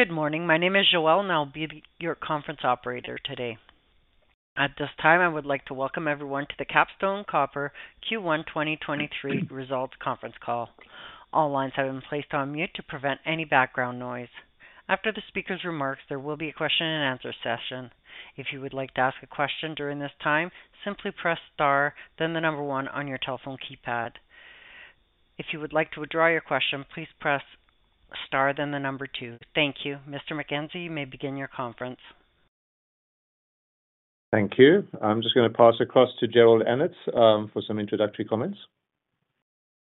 Good morning. My name is Joelle, and I'll be your conference operator today. At this time, I would like to welcome everyone to the Capstone Copper Q1 2023 Results Conference Call. All lines have been placed on mute to prevent any background noise. After the speaker's remarks, there will be a question and answer session. If you would like to ask a question during this time, simply press star then the number one on your telephone keypad. If you would like to withdraw your question, please press star then the number two. Thank you. Mr. Mackenzie, you may begin your conference. Thank you. I'm just gonna pass across to Jerrold Annett, for some introductory comments.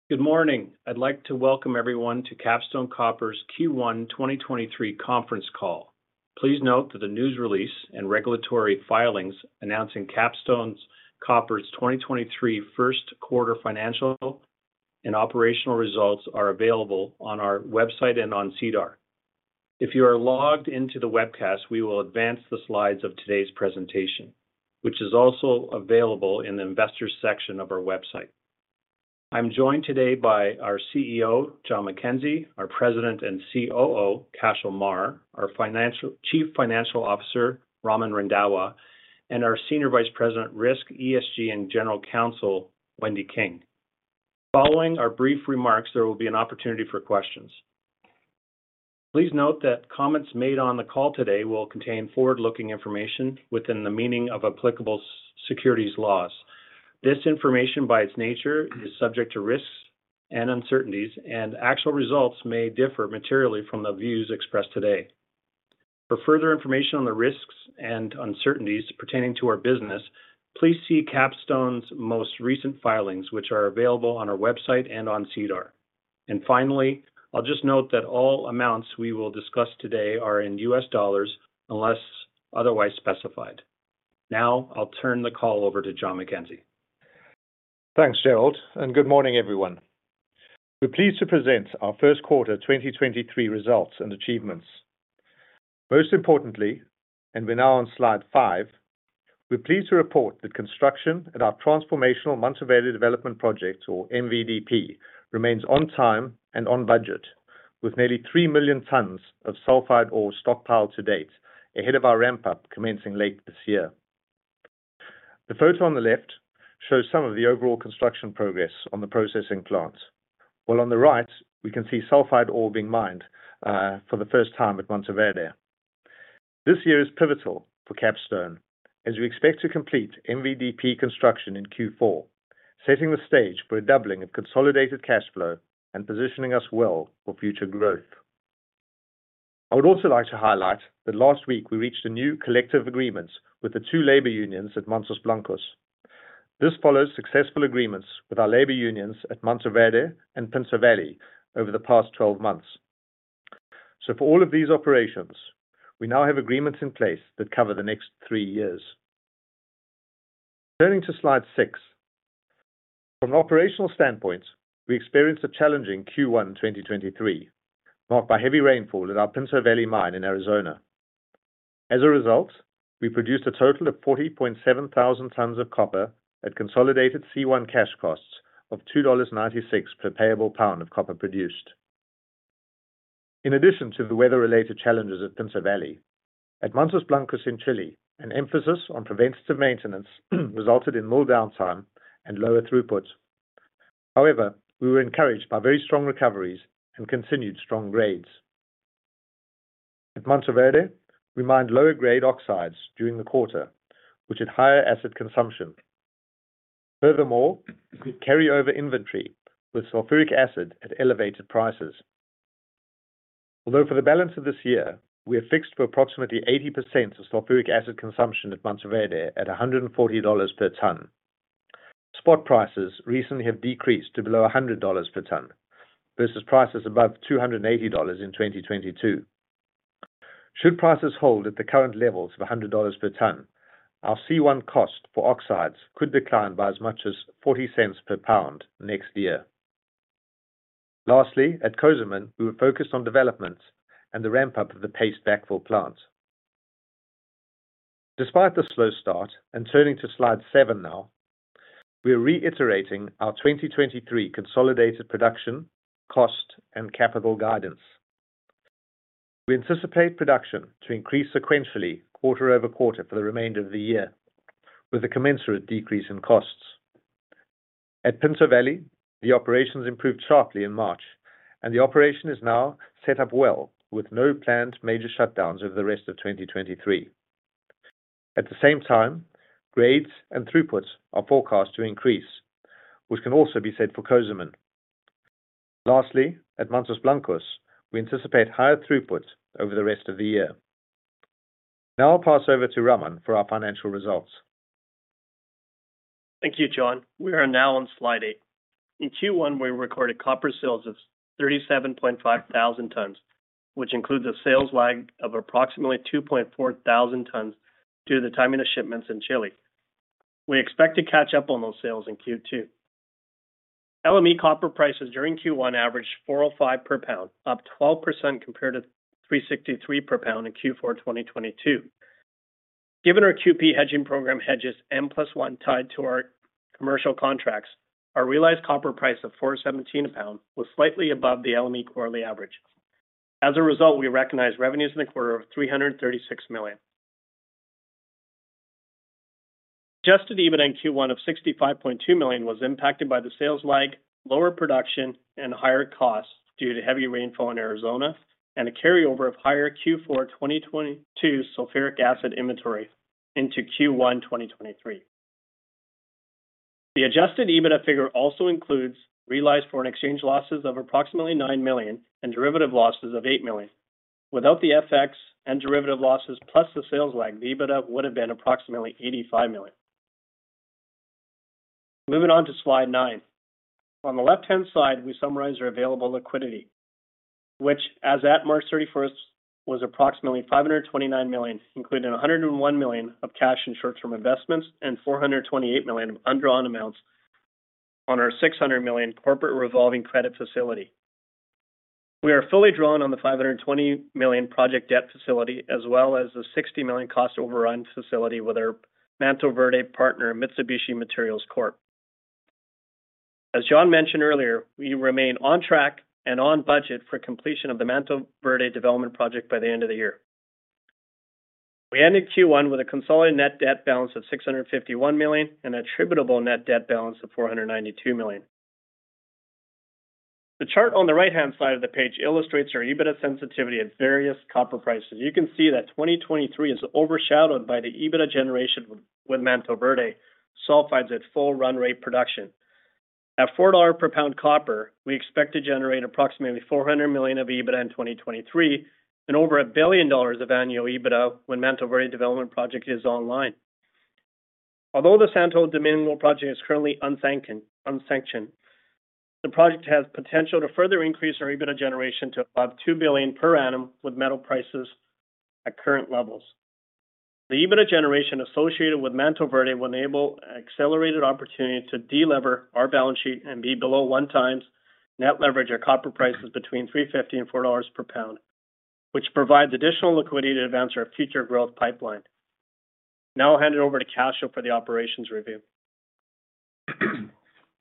Good morning. I'd like to welcome everyone to Capstone Copper's Q1 2023 conference call. Please note that the news release and regulatory filings announcing Capstone Copper's 2023 first quarter financial and operational results are available on our website and on SEDAR. If you are logged into the webcast, we will advance the slides of today's presentation, which is also available in the investor section of our website. I'm joined today by our CEO, John MacKenzie, our President and COO, Cashel Meagher, our Chief Financial Officer, Raman Randhawa, and our Senior Vice President, Risk, ESG, and General Counsel, Wendy King. Following our brief remarks, there will be an opportunity for questions. Please note that comments made on the call today will contain forward-looking information within the meaning of applicable securities laws. This information, by its nature, is subject to risks and uncertainties, and actual results may differ materially from the views expressed today. For further information on the risks and uncertainties pertaining to our business, please see Capstone's most recent filings, which are available on our website and on SEDAR. Finally, I'll just note that all amounts we will discuss today are in U.S. dollars unless otherwise specified. Now I'll turn the call over to John MacKenzie. Thanks, Jerrold, and good morning, everyone. We're pleased to present our first quarter 2023 results and achievements. Most importantly, and we're now on slide five, we're pleased to report that construction at our transformational Mantoverde Development Project, or MVDP, remains on time and on budget with nearly 3 million tons of sulfide ore stockpiled to date, ahead of our ramp-up commencing late this year. The photo on the left shows some of the overall construction progress on the processing plant, while on the right, we can see sulfide ore being mined for the first time at Mantoverde. This year is pivotal for Capstone as we expect to complete MVDP construction in Q4, setting the stage for a doubling of consolidated cash flow and positioning us well for future growth. I would also like to highlight that last week we reached a new collective agreement with the two labor unions at Mantos Blancos. This follows successful agreements with our labor unions at Mantoverde and Pinto Valley over the past 12 months. For all of these operations, we now have agreements in place that cover the next three years. Turning to slide six. From an operational standpoint, we experienced a challenging Q1 2023, marked by heavy rainfall at our Pinto Valley mine in Arizona. As a result, we produced a total of 40.7 thousand tons of copper at consolidated C1 cash costs of $2.96 per payable pound of copper produced. In addition to the weather-related challenges at Pinto Valley, at Mantos Blancos in Chile, an emphasis on preventative maintenance resulted in more downtime and lower throughput. We were encouraged by very strong recoveries and continued strong grades. At Mantoverde, we mined lower grade oxides during the quarter, which had higher acid consumption. We carry over inventory with sulfuric acid at elevated prices. For the balance of this year, we are fixed for approximately 80% of sulfuric acid consumption at Mantoverde at $140 per ton. Spot prices recently have decreased to below $100 per ton versus prices above $280 in 2022. Should prices hold at the current levels of $100 per ton, our C1 cost for oxides could decline by as much as $0.40 per pound next year. At Cozamin, we were focused on development and the ramp-up of the paste backfill plant. Despite the slow start, turning to slide seven now, we are reiterating our 2023 consolidated production, cost, and capital guidance. We anticipate production to increase sequentially quarter-over-quarter for the remainder of the year, with a commensurate decrease in costs. At Pinto Valley, the operations improved sharply in March, the operation is now set up well with no planned major shutdowns over the rest of 2023. At the same time, grades and throughput are forecast to increase, which can also be said for Cozamin. Lastly, at Mantos Blancos, we anticipate higher throughput over the rest of the year. I'll pass over to Raman for our financial results. Thank you, John. We are now on slide eight. In Q1, we recorded copper sales of 37.5 thousand tons, which includes a sales lag of approximately 2.4 thousand tons due to the timing of shipments in Chile. We expect to catch up on those sales in Q2. LME copper prices during Q1 averaged $4 or $5 per pound, up 12% compared to $3.63 per pound in Q4 2022. Given our QP hedging program hedges M plus one tied to our commercial contracts, our realized copper price of $4.17 a pound was slightly above the LME quarterly average. We recognized revenues in the quarter of $336 million. Adjusted EBIT in Q1 of $65.2 million was impacted by the sales lag, lower production, and higher costs due to heavy rainfall in Arizona and a carryover of higher Q4 2022 sulfuric acid inventory into Q1 2023. The adjusted EBIT figure also includes realized foreign exchange losses of approximately $9 million and derivative losses of $8 million. Without the FX and derivative losses plus the sales lag, the EBITDA would have been approximately $85 million. Moving on to slide nine. On the left-hand side, we summarize our available liquidity, which as at March 31st, was approximately $529 million, including $101 million of cash and short-term investments, and $428 million of undrawn amounts on our $600 million corporate revolving credit facility. We are fully drawn on the $520 million project debt facility as well as the $60 million cost overrun facility with our Mantoverde partner, Mitsubishi Materials Corporation. As John mentioned earlier, we remain on track and on budget for completion of the Mantoverde Development Project by the end of the year. We ended Q1 with a consolidated net debt balance of $651 million and attributable net debt balance of $492 million. The chart on the right-hand side of the page illustrates our EBITDA sensitivity at various copper prices. You can see that 2023 is overshadowed by the EBITDA generation with Mantoverde sulfides at full run rate production. At $4 per pound copper, we expect to generate approximately $400 million of EBITDA in 2023 and over $1 billion of annual EBITDA when Mantoverde Development Project is online. Although the Santo Domingo project is currently unsanctioned, the project has potential to further increase our EBITDA generation to above $2 billion per annum with metal prices at current levels. The EBITDA generation associated with Mantoverde will enable accelerated opportunity to delever our balance sheet and be below 1x net leverage at copper prices between $3.50 and $4 per pound, which provides additional liquidity to advance our future growth pipeline. I'll hand it over to Cashel for the operations review.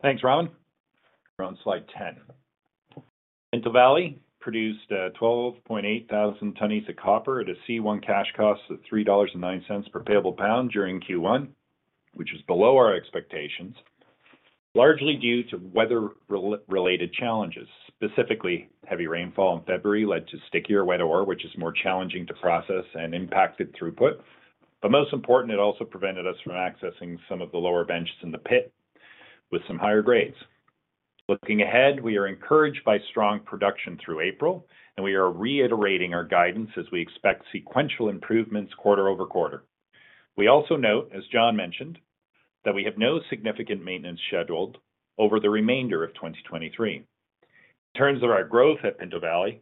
Thanks, Raman. We're on slide 10. Pinto Valley produced 12.8 thousand tonnes of copper at a C1 cash cost of $3.09 per payable pound during Q1, which is below our expectations, largely due to weather-related challenges. Specifically, heavy rainfall in February led to stickier wet ore, which is more challenging to process and impacted throughput. Most important, it also prevented us from accessing some of the lower benches in the pit with some higher grades. Looking ahead, we are encouraged by strong production through April, and we are reiterating our guidance as we expect sequential improvements quarter-over-quarter. We also note, as John mentioned, that we have no significant maintenance scheduled over the remainder of 2023. In terms of our growth at Pinto Valley,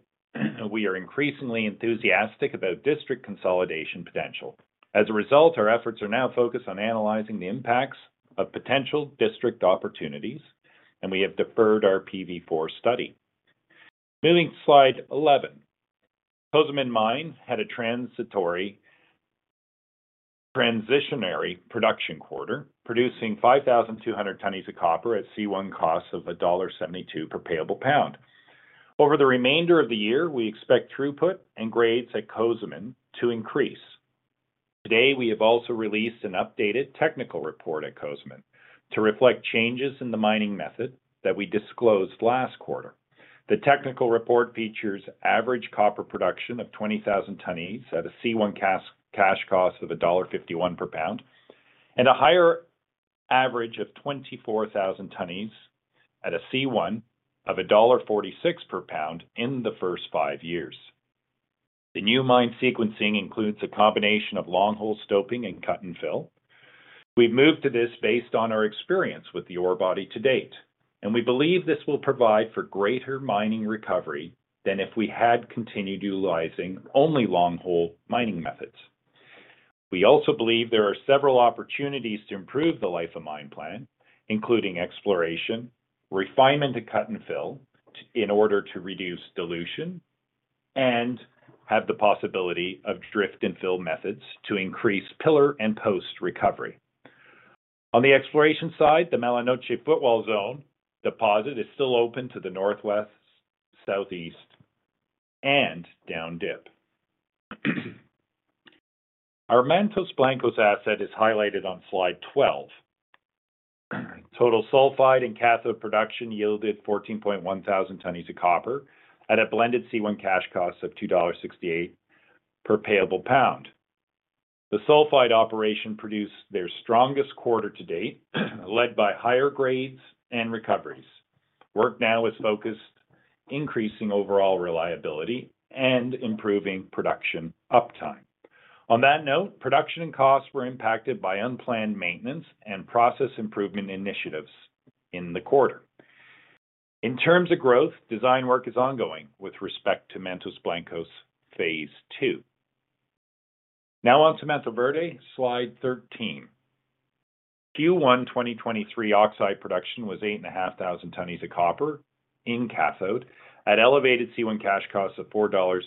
we are increasingly enthusiastic about district consolidation potential. Our efforts are now focused on analyzing the impacts of potential district opportunities, and we have deferred our PV4 study. Moving to slide 11. Cozamin Mine had a transitionary production quarter, producing 5,200 tons of copper at C1 costs of $1.72 per payable pound. Over the remainder of the year, we expect throughput and grades at Cozamin to increase. Today, we have also released an updated technical report at Cozamin to reflect changes in the mining method that we disclosed last quarter. The technical report features average copper production of 20,000 tons at a C1 cash cost of $1.51 per pound and a higher average of 24,000 tons at a C1 of $1.46 per pound in the first five years. The new mine sequencing includes a combination of long hole stoping and cut and fill. We've moved to this based on our experience with the ore body to date, and we believe this will provide for greater mining recovery than if we had continued utilizing only long hole mining methods. We also believe there are several opportunities to improve the life of mine plan, including exploration, refinement to cut and fill in order to reduce dilution and have the possibility of drift and fill methods to increase pillar and post-recovery. On the exploration side, the Mala Noche Footwall Zone deposit is still open to the northwest, southeast, and down dip. Our Mantos Blancos asset is highlighted on slide 12. Total sulfide and cathode production yielded 14.1 thousand tonnes of copper at a blended C1 cash cost of $2.68 per payable pound. The sulfide operation produced their strongest quarter to date, led by higher grades and recoveries. Work now is focused increasing overall reliability and improving production uptime. On that note, production and costs were impacted by unplanned maintenance and process improvement initiatives in the quarter. In terms of growth, design work is ongoing with respect to Mantos Blancos Phase II. On to Mantoverde, slide 13 Q1 2023 oxide production was 8,500 tonnes of copper in cathode at elevated C1 cash costs of $4.02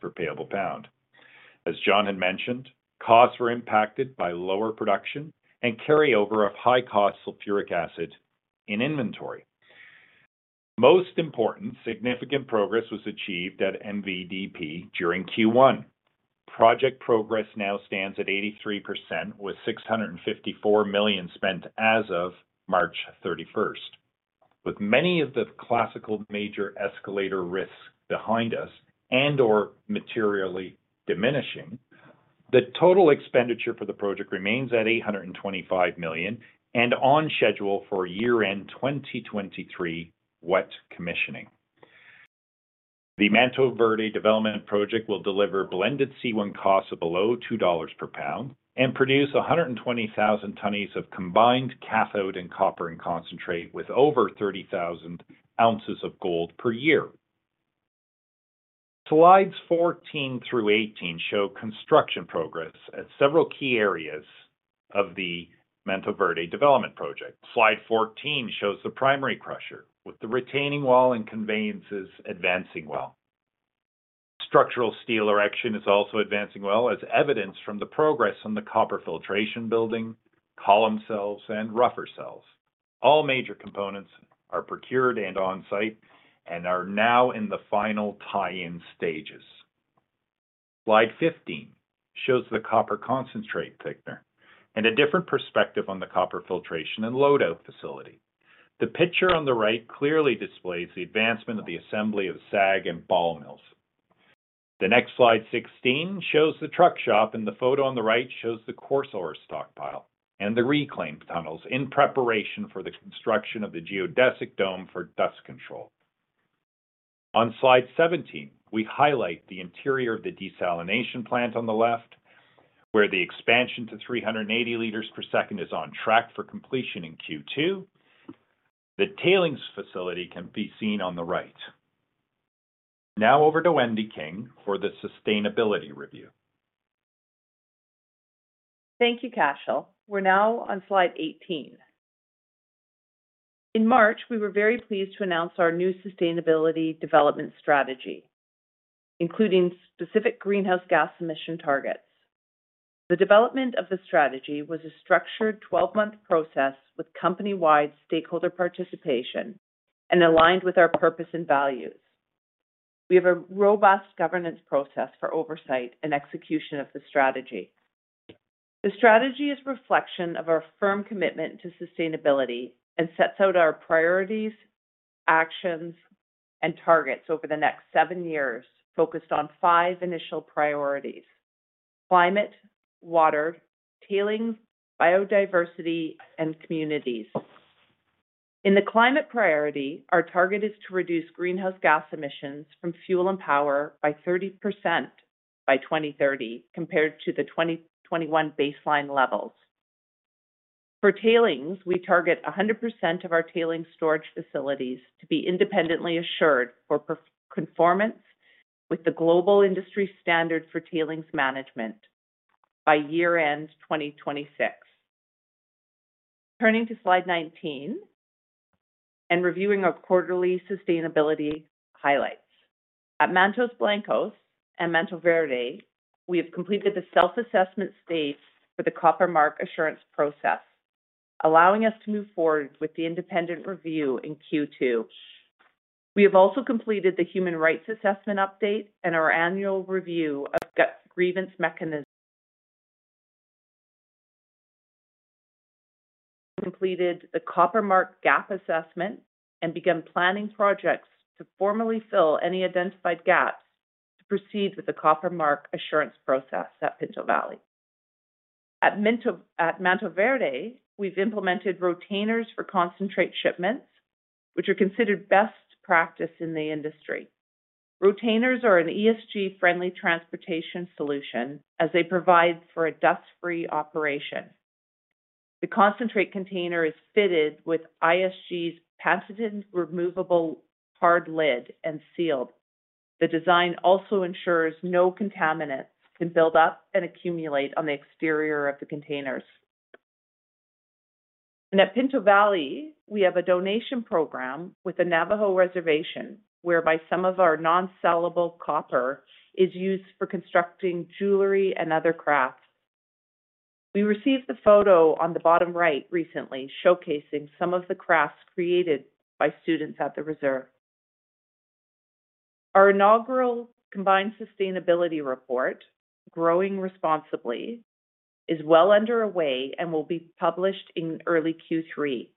per payable pound. As John had mentioned, costs were impacted by lower production and carry-over of high cost sulfuric acid in inventory. Most important, significant progress was achieved at MVDP during Q1. Project progress now stands at 83% with $654 million spent as of March 31st. With many of the classical major escalator risks behind us and/or materially diminishing, the total expenditure for the project remains at $825 million and on schedule for year-end 2023 wet commissioning. The Mantoverde Development Project will deliver blended C1 costs of below $2 per pound and produce 120,000 tonnes of combined cathode and copper and concentrate with over 30,000 ounces of gold per year. Slides 14 through 18 show construction progress at several key areas of the Mantoverde Development Project. Slide 14 shows the primary crusher with the retaining wall and conveyances advancing well. Structural steel erection is also advancing well as evidenced from the progress on the copper filtration building, column cells, and rougher cells. All major components are procured and on-site and are now in the final tie-in stages. Slide 15 shows the copper concentrate thickener and a different perspective on the copper filtration and load-out facility. The picture on the right clearly displays the advancement of the assembly of SAG and ball mills. The next slide 16 shows the truck shop, and the photo on the right shows the coarse ore stockpile and the reclaimed tunnels in preparation for the construction of the geodesic dome for dust control. On slide 17, we highlight the interior of the desalination plant on the left, where the expansion to 380 liters per second is on track for completion in Q2. The tailings facility can be seen on the right. Over to Wendy King for the sustainability review. Thank you, Cashel. We're now on slide 18. In March, we were very pleased to announce our new sustainability development strategy, including specific greenhouse gas emission targets. The development of the strategy was a structured 12-month process with company-wide stakeholder participation and aligned with our purpose and values. We have a robust governance process for oversight and execution of the strategy. The strategy is reflection of our firm commitment to sustainability and sets out our priorities, actions, and targets over the next seven years, focused on five initial priorities: climate, water, tailings, biodiversity, and communities. In the climate priority, our target is to reduce greenhouse gas emissions from fuel and power by 30% by 2030 compared to the 2021 baseline levels. For tailings, we target 100% of our tailings storage facilities to be independently assured for conformance with the Global Industry Standard on Tailings Management by year-end 2026. Turning to slide 19 and reviewing our quarterly sustainability highlights. At Mantos Blancos and Mantoverde, we have completed the self-assessment stage for the Copper Mark assurance process, allowing us to move forward with the independent review in Q2. We have also completed the human rights assessment update and our annual review of that grievance mechanism. Completed the Copper Mark gap assessment and began planning projects to formally fill any identified gaps to proceed with the Copper Mark assurance process at Pinto Valley. At Mantoverde, we've implemented retainers for concentrate shipments, which are considered best practice in the industry. Retainers are an ESG-friendly transportation solution as they provide for a dust-free operation. The concentrate container is fitted with ISG's patented removable hard lid and sealed. The design also ensures no contaminants can build up and accumulate on the exterior of the containers. At Pinto Valley, we have a donation program with the Navajo Reservation, whereby some of our non-sellable copper is used for constructing jewelry and other crafts. We received the photo on the bottom right recently, showcasing some of the crafts created by students at the reserve. Our inaugural combined sustainability report, Growing Responsibly, is well underway and will be published in early Q3.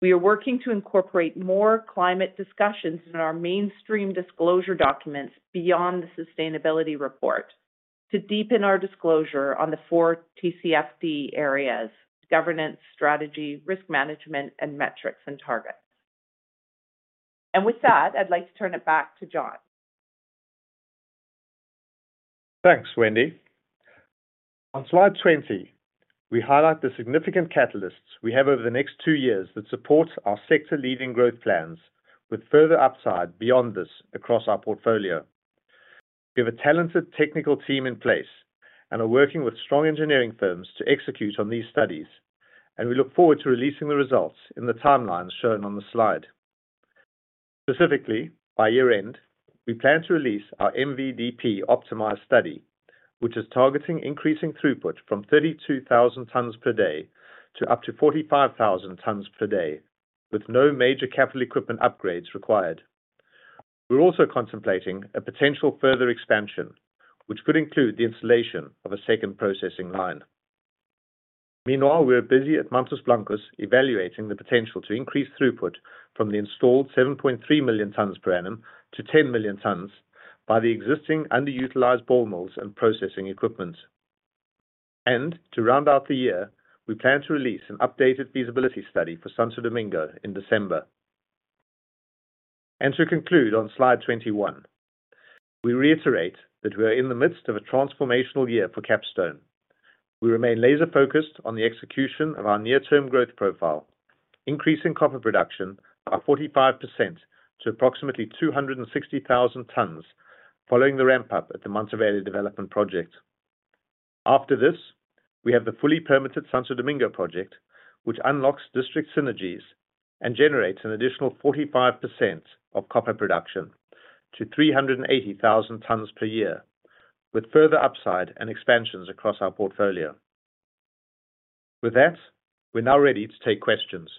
We are working to incorporate more climate discussions in our mainstream disclosure documents beyond the sustainability report to deepen our disclosure on the four TCFD areas: governance, strategy, risk management, and metrics and targets. With that, I'd like to turn it back to John. Thanks, Wendy. On slide 20, we highlight the significant catalysts we have over the next 2 years that support our sector-leading growth plans with further upside beyond this across our portfolio We have a talented technical team in place and are working with strong engineering firms to execute on these studies. We look forward to releasing the results in the timelines shown on the slide. Specifically, by year-end, we plan to release our MVDP optimized study, which is targeting increasing throughput from 32,000 tons per day to up to 45,000 tons per day, with no major capital equipment upgrades required. We're also contemplating a potential further expansion, which could include the installation of a second processing line. Meanwhile, we are busy at Mantos Blancos evaluating the potential to increase throughput from the installed 7.3 million tons per annum to 10 million tons by the existing underutilized ball mills and processing equipment. To round out the year, we plan to release an updated feasibility study for Santo Domingo in December. To conclude on slide 21, we reiterate that we are in the midst of a transformational year for Capstone. We remain laser-focused on the execution of our near-term growth profile, increasing copper production by 45% to approximately 260,000 tons following the ramp-up at the Mantoverde Development Project. After this, we have the fully permitted Santo Domingo project, which unlocks district synergies and generates an additional 45% of copper production to 380,000 tons per year, with further upside and expansions across our portfolio. With that, we're now ready to take questions.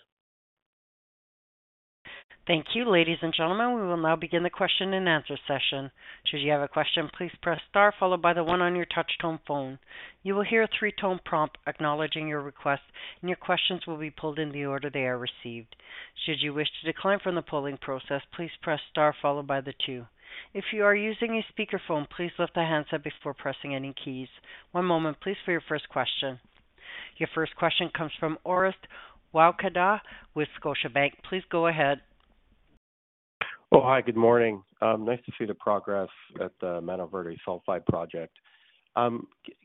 Thank you. Ladies and gentlemen, we will now begin the question and answer session. Should you have a question, please press star followed by the one on your touch-tone phone. You will hear a three-tone prompt acknowledging your request, and your questions will be pulled in the order they are received. Should you wish to decline from the polling process, please press star followed by the two. If you are using a speakerphone, please lift the handset before pressing any keys. One moment please for your first question. Your first question comes from Orest Wowkodaw with Scotiabank. Please go ahead. Oh, hi, good morning. Nice to see the progress at the Mantoverde sulphide project.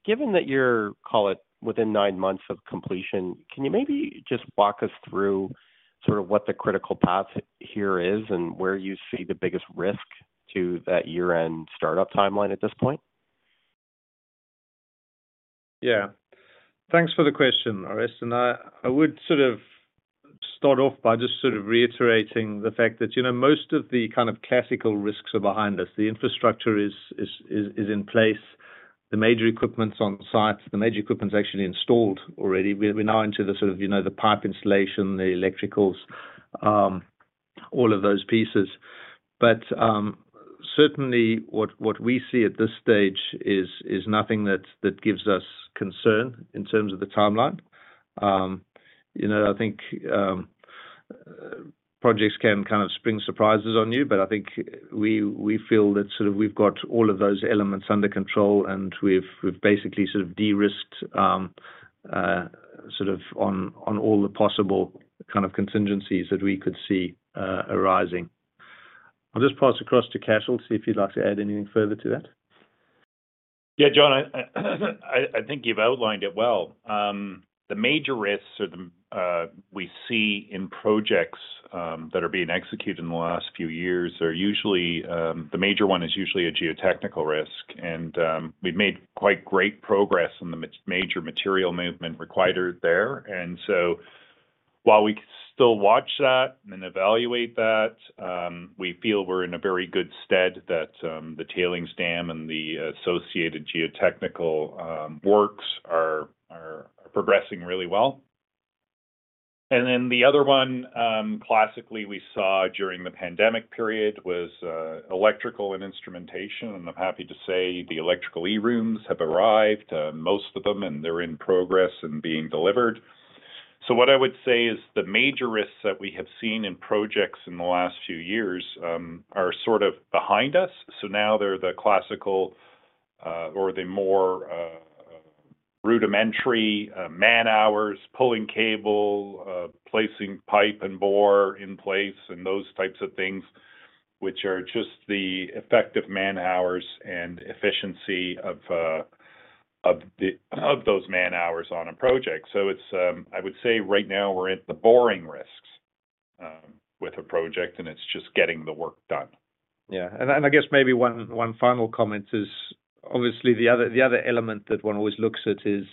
Given that you're, call it, within nine months of completion, can you maybe just walk us through sort of what the critical path here is and where you see the biggest risk to that year-end startup timeline at this point? Yeah. Thanks for the question, Orest. I would sort of start off by just reiterating the fact that, you know, most of the kind of classical risks are behind us. The infrastructure is in place. The major equipment's on site. The major equipment is actually installed already. We're now into the sort of, you know, the pipe installation, the electricals, all of those pieces. Certainly what we see at this stage is nothing that gives us concern in terms of the timeline. You know, I think projects can kind of spring surprises on you, but I think we feel that sort of we've got all of those elements under control, and we've basically sort of de-risked sort of on all the possible kind of contingencies that we could see arising. I'll just pass across to Cashel, see if he'd like to add anything further to that. Yeah. John, I think you've outlined it well. The major risks or the we see in projects that are being executed in the last few years are usually the major one is usually a geotechnical risk, and we've made quite great progress on the major material movement required there. While we still watch that and evaluate that, we feel we're in a very good stead that the tailings dam and the associated geotechnical works are progressing really well. The other one, classically, we saw during the pandemic period was electrical and instrumentation, and I'm happy to say the electrical E-rooms have arrived, most of them, and they're in progress and being delivered. What I would say is the major risks that we have seen in projects in the last few years are sort of behind us. Now they're the classical or the more rudimentary man-hours pulling cable, placing pipe and bore in place and those types of things, which are just the effective man-hours and efficiency of those man-hours on a project. It's, I would say right now we're at the boring risks with a project, and it's just getting the work done. Yeah. I guess maybe one final comment is obviously the other, the other element that one always looks at is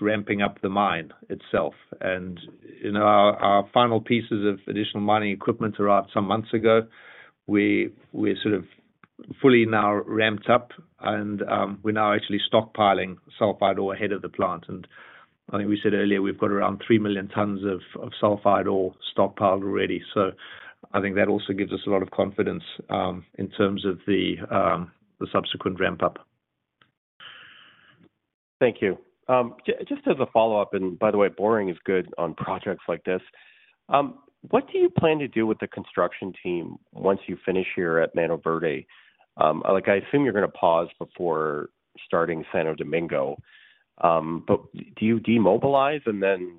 ramping up the mine itself. You know, our final pieces of additional mining equipment arrived some months ago. We're sort of fully now ramped up, and we're now actually stockpiling sulfide ore ahead of the plant. I think we said earlier, we've got around 3 million tons of sulfide ore stockpiled already. I think that also gives us a lot of confidence in terms of the subsequent ramp-up. Thank you. Just as a follow-up, and by the way, boring is good on projects like this. What do you plan to do with the construction team once you finish here at Mantoverde? Like, I assume you're gonna pause before starting Santo Domingo, but do you demobilize and then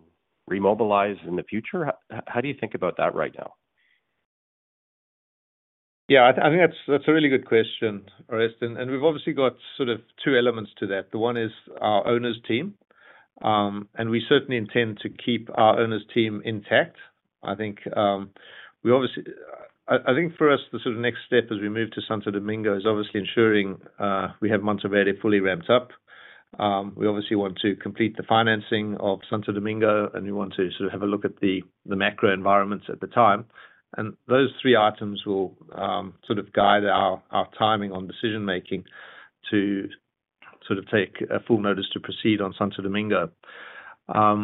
remobilize in the future? How do you think about that right now? Yeah, I think that's a really good question, Orest. We've obviously got sort of two elements to that. The one is our owner's team. We certainly intend to keep our owners team intact. I think we obviously I think for us, the sort of next step as we move to Santo Domingo is obviously ensuring we have Mantoverde fully ramped up. We obviously want to complete the financing of Santo Domingo, and we want to sort of have a look at the macro environment at the time. Those three items will sort of guide our timing on decision-making to sort of take a full notice to proceed on Santo Domingo. I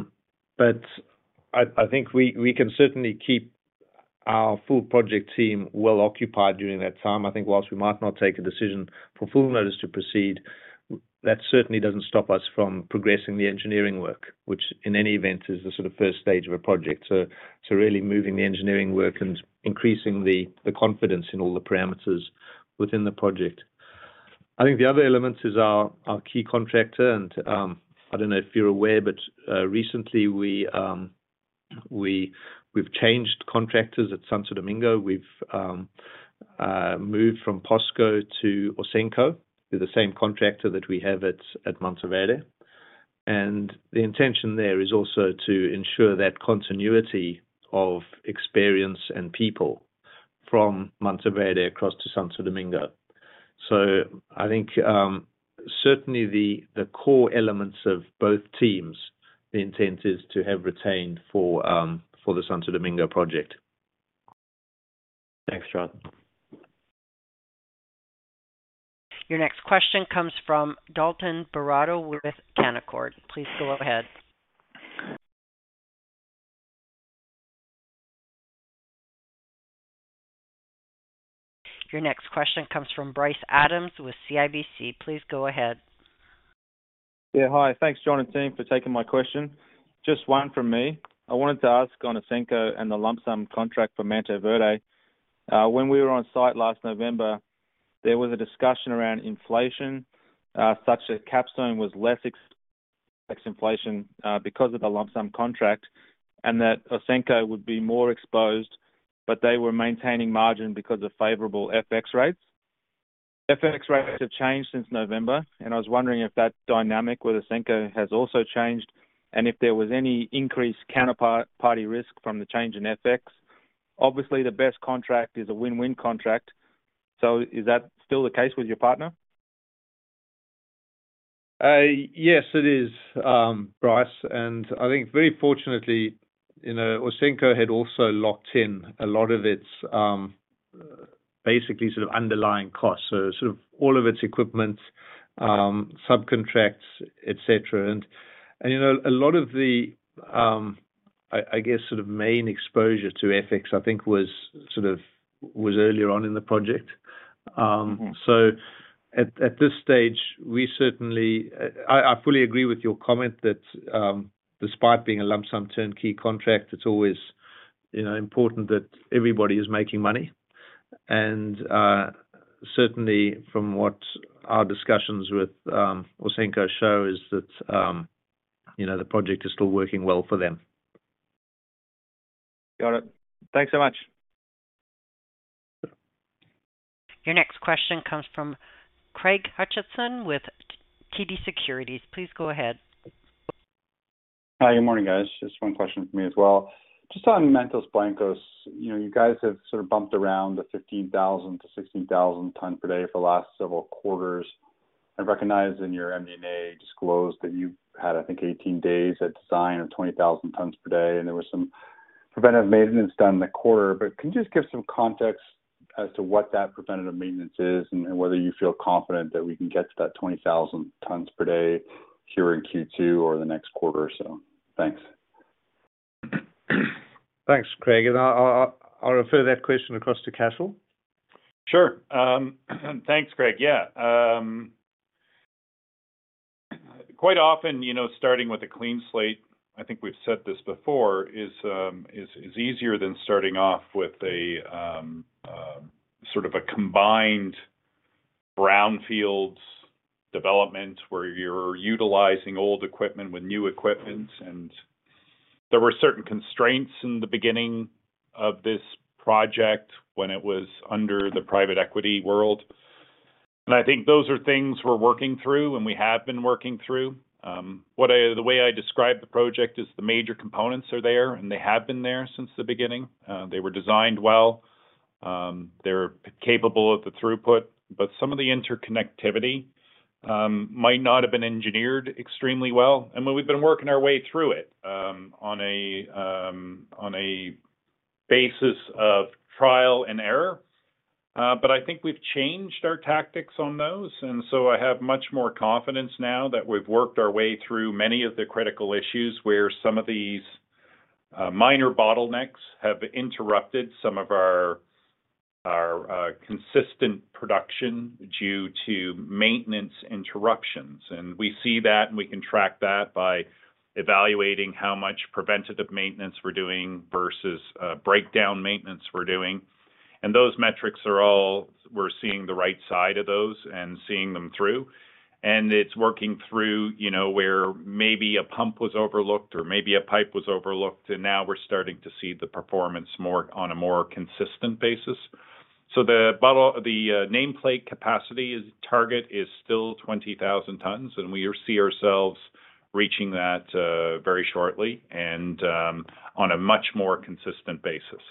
think we can certainly keep our full project team well occupied during that time. I think whilst we might not take a decision for full notice to proceed, that certainly doesn't stop us from progressing the engineering work, which in any event, is the sort of first stage of a project. Really moving the engineering work and increasing the confidence in all the parameters within the project. I think the other element is our key contractor and I don't know if you're aware, but recently we've changed contractors at Santo Domingo. We've moved from POSCO to Ausenco, who's the same contractor that we have at Mantoverde. The intention there is also to ensure that continuity of experience and people from Mantoverde across to Santo Domingo. I think, certainly the core elements of both teams, the intent is to have retained for the Santo Domingo project. Thanks, John. Your next question comes from Dalton Baretto with Canaccord. Please go ahead. Your next question comes from Bryce Adams with CIBC. Please go ahead. Yeah, hi. Thanks, John and team for taking my question. Just one from me. I wanted to ask on Ausenco and the lump sum contract for Mantoverde. When we were on site last November, there was a discussion around inflation, such that Capstone was less ex-inflation because of the lump sum contract, and that Ausenco would be more exposed, but they were maintaining margin because of favorable FX rates. FX rates have changed since November, and I was wondering if that dynamic with Ausenco has also changed and if there was any increased counterparty risk from the change in FX. Obviously, the best contract is a win-win contract. Is that still the case with your partner? Yes, it is, Bryce. I think very fortunately, you know, Ausenco had also locked in a lot of its, basically sort of underlying costs. Sort of all of its equipment, subcontracts, et cetera. You know, a lot of the, I guess sort of main exposure to FX, I think was earlier on in the project. At this stage, we certainly. I fully agree with your comment that, despite being a lump-sum turn-key contract, it's always, you know, important that everybody is making money. Certainly from what our discussions with Ausenco show is that, you know, the project is still working well for them. Got it. Thanks so much. Your next question comes from Craig Hutchison with TD Securities. Please go out ahead. Hi. Good morning, guys. Just one question for me as well. Just on Mantos Blancos, you know, you guys have sort of bumped around the 15,000-16,000 tons per day for the last several quarters. I've recognized in your MD&A disclosed that you had, I think, 18 days at design of 20,000 tons per day, and there was some preventative maintenance done in the quarter. Can you just give some context as to what that preventative maintenance is and whether you feel confident that we can get to that 20,000 tons per day here in Q2 or the next quarter or so? Thanks. Thanks, Craig. I'll refer that question across to Cashel. Sure. Thanks, Craig. Yeah. Quite often, you know, starting with a clean slate, I think we've said this before, is easier than starting off with a sort of a combined brownfields development where you're utilizing old equipment with new equipment. There were certain constraints in the beginning of this project when it was under the private equity world. I think those are things we're working through and we have been working through. The way I describe the project is the major components are there, and they have been there since the beginning. They were designed well. They're capable of the throughput, but some of the interconnectivity might not have been engineered extremely well. We've been working our way through it on a basis of trial and error. I think we've changed our tactics on those. I have much more confidence now that we've worked our way through many of the critical issues where some of these minor bottlenecks have interrupted some of our consistent production due to maintenance interruptions. We see that and we can track that by evaluating how much preventative maintenance we're doing versus breakdown maintenance we're doing. Those metrics are all, we're seeing the right side of those and seeing them through. It's working through, you know, where maybe a pump was overlooked or maybe a pipe was overlooked, and now we're starting to see the performance on a more consistent basis. The bottle, the nameplate capacity is target is still 20,000 tons and we see ourselves reaching that very shortly and on a much more consistent basis.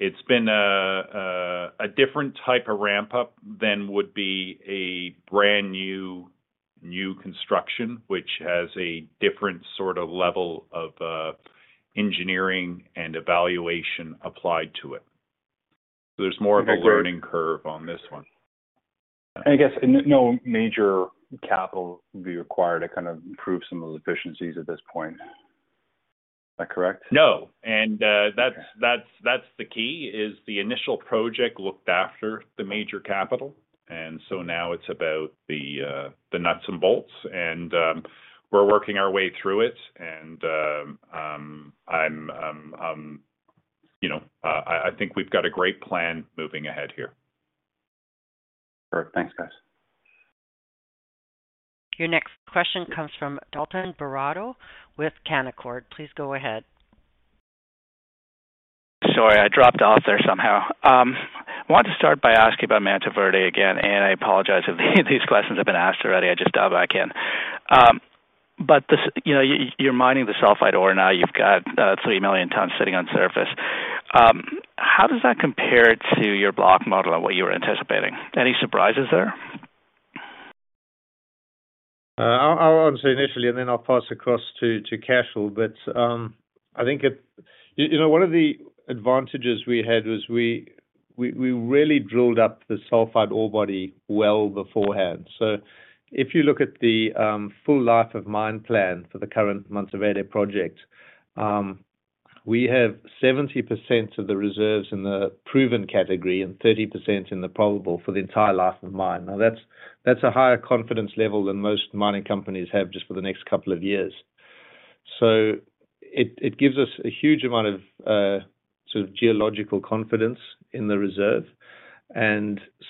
It's been a different type of ramp up than would be a brand new construction which has a different sort of level of engineering and evaluation applied to it. There's more of a learning curve on this one. I guess no major capital would be required to kind of improve some of the efficiencies at this point. Is that correct? No. That's the key is the initial project looked after the major capital. Now it's about the nuts and bolts and we're working our way through it. I'm, you know, I think we've got a great plan moving ahead here. Sure. Thanks, guys. Your next question comes from Dalton Baretto with Canaccord. Please go ahead. Sorry, I dropped off there somehow. Want to start by asking about Mantoverde again. I apologize if these questions have been asked already. I just dove back in. You know, you're mining the sulfide ore now. You've got 3 million tons sitting on surface. How does that compare to your block model and what you were anticipating? Any surprises there? I want to say initially, and then I'll pass across to Cashel. I think you know, one of the advantages we had was we really drilled up the sulphide ore body well beforehand. If you look at the full life of mine plan for the current Mantoverde project, we have 70% of the reserves in the proven category and 30% in the probable for the entire life of mine. That's, that's a higher confidence level than most mining companies have just for the next couple of years. It, it gives us a huge amount of sort of geological confidence in the reserve.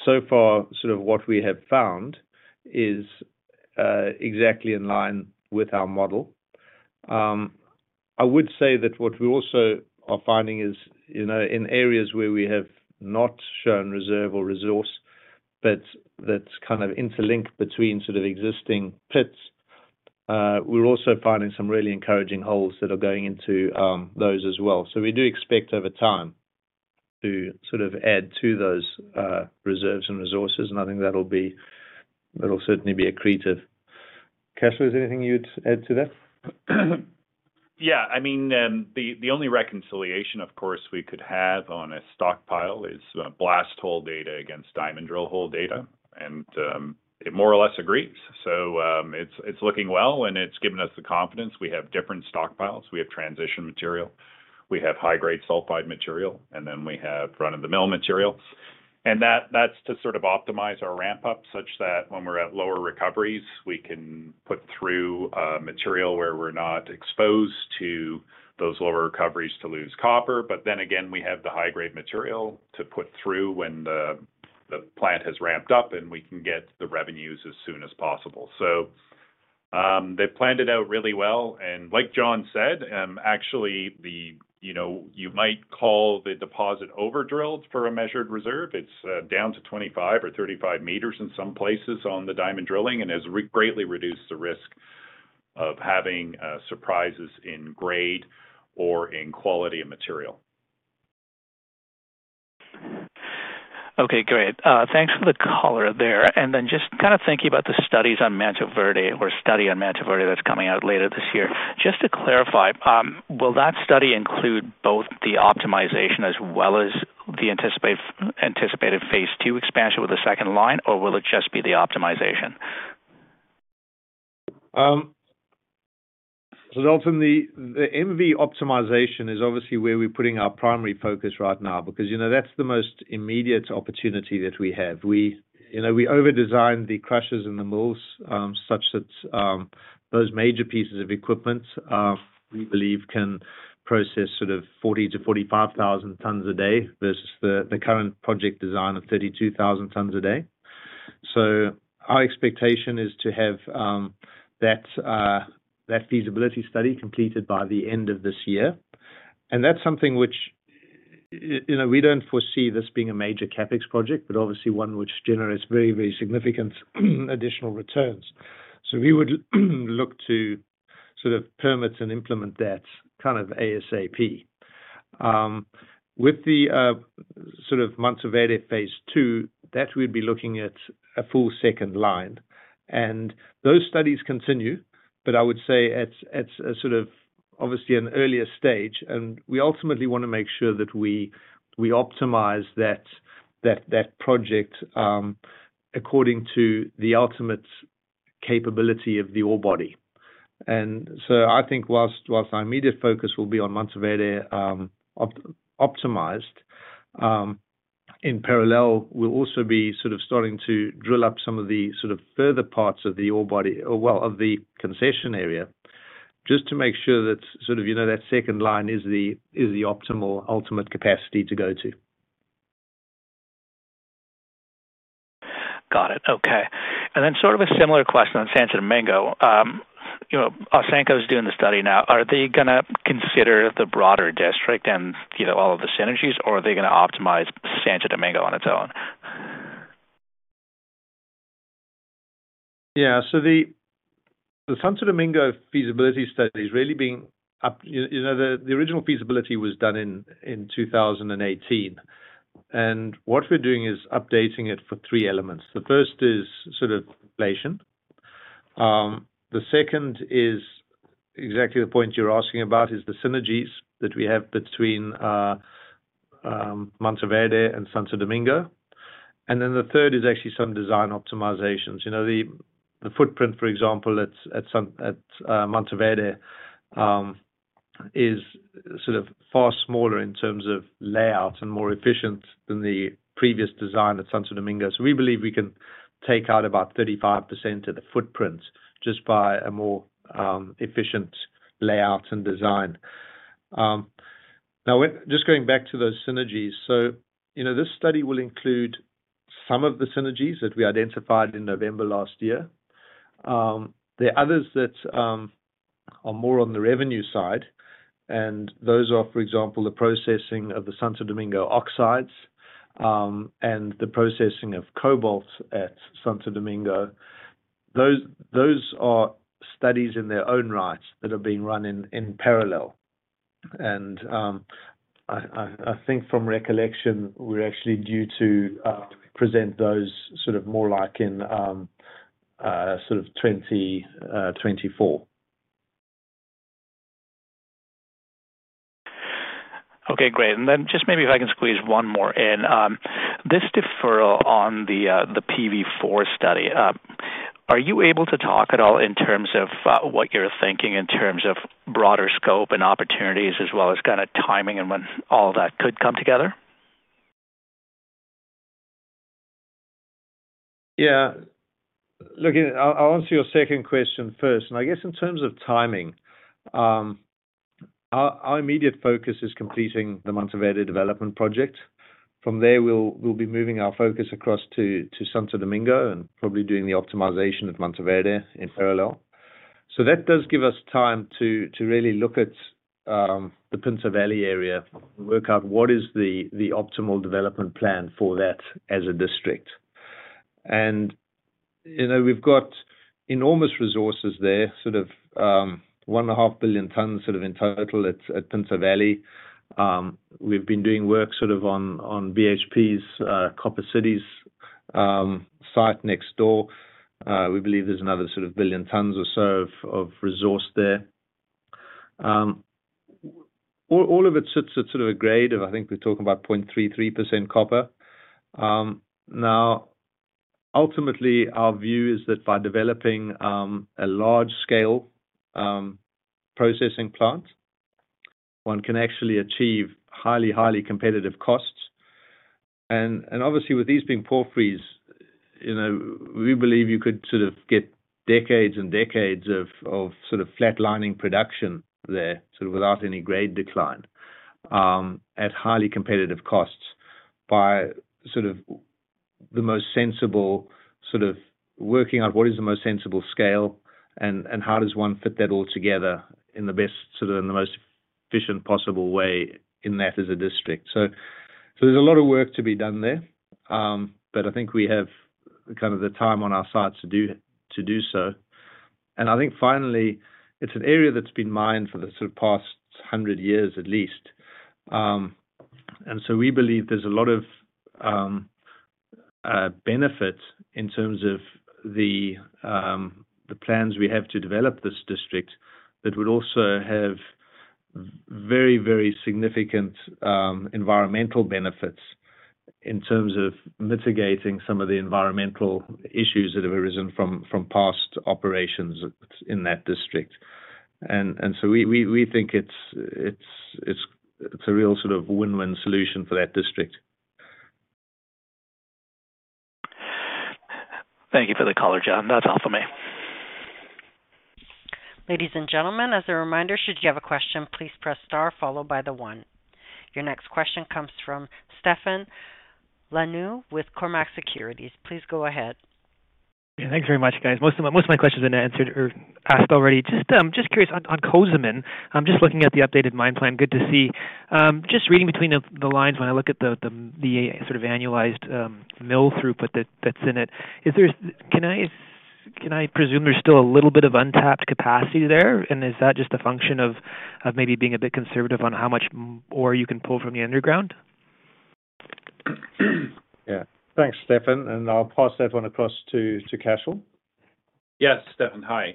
So far, sort of what we have found is exactly in line with our model. I would say that what we also are finding is, you know, in areas where we have not shown reserve or resource but that's interlinked between existing pits, we're also finding some really encouraging holes that are going into those as well. We do expect over time to add to those reserves and resources, and I think that'll certainly be accretive. Cashel, is there anything you'd add to that? I mean, the only reconciliation of course we could have on a stockpile is blast hole data against diamond drill hole data and it more or less agrees. It's looking well, and it's given us the confidence. We have different stockpiles, we have transition material, we have high-grade sulfide material, and then we have run-of-the-mill material. That's to sort of optimize our ramp up such that when we're at lower recoveries, we can put through material where we're not exposed to those lower recoveries to lose copper. Again, we have the high-grade material to put through when the plant has ramped up and we can get the revenues as soon as possible. They planned it out really well, and like John said, actually, you know, you might call the deposit over-drilled for a measured reserve. It's down to 25 or 35m in some places on the diamond drilling and has greatly reduced the risk of having surprises in grade or in quality of material. Okay, great. thanks for the color there. Just kind of thinking about the studies on Mantoverde or study on Mantoverde that's coming out later this year. Just to clarify, will that study include both the optimization as well as the anticipated phase two expansion with the second line, or will it just be the optimization? Ultimately, the MV optimization is obviously where we're putting our primary focus right now because, you know, that's the most immediate opportunity that we have. We, you know, we over-designed the crushers and the mills, such that those major pieces of equipment, we believe can process sort of 40,000-45,000 tons a day versus the current project design of 32,000 tons a day. Our expectation is to have that feasibility study completed by the end of this year. That's something which, you know, we don't foresee this being a major CapEx project, but obviously one which generates very, very significant additional returns. We would look to sort of permit and implement that kind of ASAP. With the Mantoverde Phase II, that we'd be looking at a full second line. Those studies continue, but I would say it's a sort of obviously an earlier stage, and we ultimately wanna make sure that we optimize that project, according to the ultimate capability of the ore body. I think whilst our immediate focus will be on Mantoverde, optimized, in parallel, we'll also be sort of starting to drill up some of the sort of further parts of the ore body or well, of the concession area, just to make sure that sort of, you know, that second line is the optimal ultimate capacity to go to. Got it. Okay. Sort of a similar question on Santo Domingo. You know, Ausenco is doing the study now. Are they gonna consider the broader district and, you know, all of the synergies, or are they gonna optimize Santo Domingo on its own? Yeah. The Santo Domingo feasibility study is really being You know, the original feasibility was done in 2018. What we're doing is updating it for three elements. The first is sort of inflation. The second is exactly the point you're asking about, is the synergies that we have between Mantoverde and Santo Domingo. Then the third is actually some design optimizations. You know, the footprint, for example, at Mantoverde is sort of far smaller in terms of layout and more efficient than the previous design at Santo Domingo. We believe we can take out about 35% of the footprints just by a more efficient layout and design. Just going back to those synergies. You know, this study will include some of the synergies that we identified in November last year. There are others that are more on the revenue side, and those are, for example, the processing of the Santo Domingo oxides, and the processing of cobalt at Santo Domingo. Those are studies in their own rights that are being run in parallel. I think from recollection, we're actually due to present those sort of more like in sort of 2024. Okay, great. Just maybe if I can squeeze one more in. This deferral on the PV4 study, are you able to talk at all in terms of what you're thinking in terms of broader scope and opportunities as well as kinda timing and when all that could come together? Yeah. Look, I'll answer your second question first. I guess in terms of timing, our immediate focus is completing the Mantoverde Development Project. From there, we'll be moving our focus across to Santo Domingo and probably doing the optimization at Mantoverde in parallel. That does give us time to really look at the Pinto Valley area and work out what is the optimal development plan for that as a district. You know, we've got enormous resources there, sort of, 1.5 billion tons sort of in total at Pinto Valley. We've been doing work sort of on BHP's Copper Cities site next door. We believe there's another sort of billion tons or so of resource there. All of it sits at sort of a grade of, I think we're talking about 0.33% copper. Now, ultimately, our view is that by developing a large scale processing plant, one can actually achieve highly competitive costs. Obviously with these being porphyries, you know, we believe you could sort of get decades and decades of flatlining production there, without any grade decline, at highly competitive costs by the most sensible working out what is the most sensible scale and how does one fit that all together in the best and the most efficient possible way in that as a district. There's a lot of work to be done there. I think we have kind of the time on our side to do so. I think finally, it's an area that's been mined for the sort of past 100 years at least. We believe there's a lot of benefit in terms of the plans we have to develop this district that would also have very significant environmental benefits in terms of mitigating some of the environmental issues that have arisen from past operations in that district. We think it's a real sort of win-win solution for that district. Thank you for the call, John. That's all for me. Ladies and gentlemen, as a reminder, should you have a question, please press star followed by the one. Your next question comes from Stefan Ioannou with Cormark Securities. Please go ahead. Yeah, thanks very much, guys. Most of my questions have been answered or asked already. Just, I'm just curious on Cozamin, I'm just looking at the updated mine plan. Good to see. Just reading between the lines when I look at the sort of annualized mill throughput that's in it. Can I presume there's still a little bit of untapped capacity there? And is that just a function of maybe being a bit conservative on how much ore you can pull from the underground? Yeah. Thanks, Stefan. I'll pass that one across to Cashel. Yes. Stefan, hi.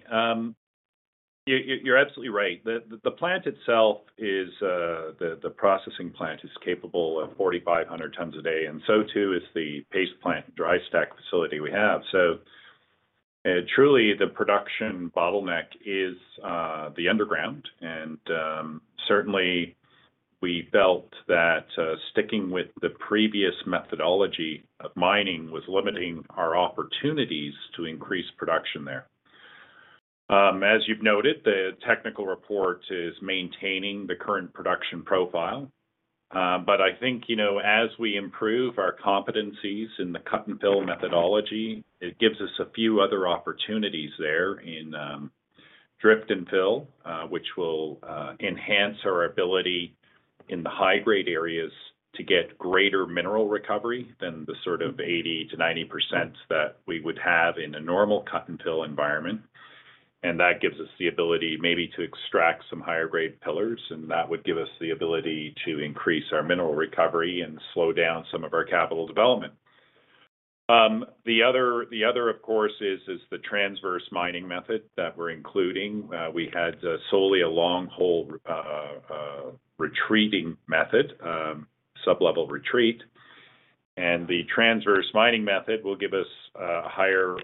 You're absolutely right. The plant itself is, the processing plant is capable of 4,500 tons a day, and so too is the paste plant dry stack facility we have. Truly the production bottleneck is the underground. Certainly we felt that sticking with the previous methodology of mining was limiting our opportunities to increase production there. As you've noted, the technical report is maintaining the current production profile. I think, you know, as we improve our competencies in the cut-and-fill methodology, it gives us a few other opportunities there in drift and fill, which will enhance our ability in the high-grade areas to get greater mineral recovery than the sort of 80%- 90% that we would have in a normal cut-and-fill environment. That gives us the ability maybe to extract some higher grade pillars, and that would give us the ability to increase our mineral recovery and slow down some of our capital development. The other, of course, is the transverse mining method that we're including. We had solely a long-hole retreating method, sublevel retreat. The transverse mining method will give us higher,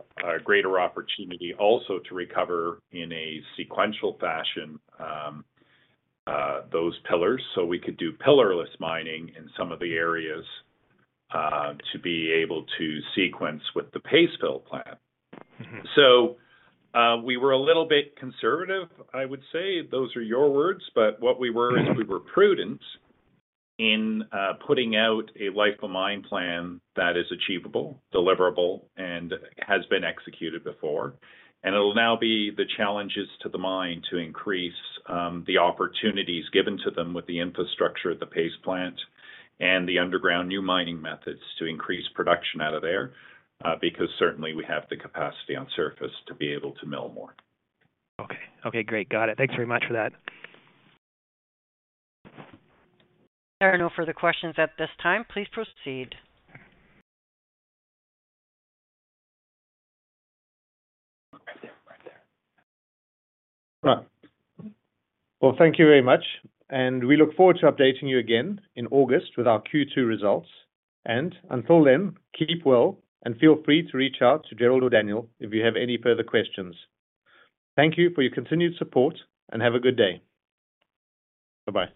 greater opportunity also to recover in a sequential fashion those pillars. We could do pillarless mining in some of the areas to be able to sequence with the paste backfill plant. We were a little bit conservative, I would say. Those are your words, what we were is we were prudent in putting out a life of mine plan that is achievable, deliverable, and has been executed before. It'll now be the challenges to the mine to increase the opportunities given to them with the infrastructure at the paste backfill plant and the underground new mining methods to increase production out of there because certainly we have the capacity on surface to be able to mill more. Okay. Okay, great. Got it. Thanks very much for that. There are no further questions at this time. Please proceed. Right. Well, thank you very much, and we look forward to updating you again in August with our Q2 results. Until then, keep well and feel free to reach out to Jerrold or Daniel if you have any further questions. Thank you for your continued support, and have a good day. Bye-bye.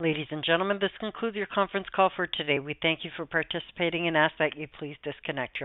Ladies and gentlemen, this concludes your conference call for today. We thank you for participating and ask that you please disconnect.